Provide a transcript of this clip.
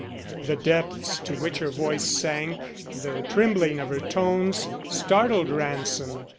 The depths to which her voice sank, the trembling of her tones, startled Ransom.